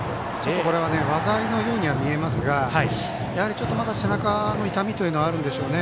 これは技ありのように見せますがやはり、まだ背中の痛みはあるんでしょうね。